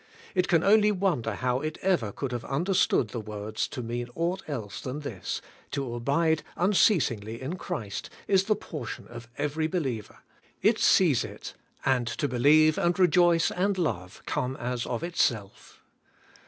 It can only wonder how it ever could have understood the words to mean aught else than this: To abide unceasingly in Christ is the portion of every believer. It sees it; and to believe, and rejoice, and love, come as of itself.